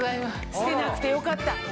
捨てなくてよかった。